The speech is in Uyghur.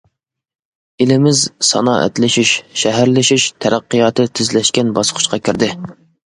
ئېلىمىز سانائەتلىشىش، شەھەرلىشىش تەرەققىياتى تېزلەشكەن باسقۇچقا كىردى.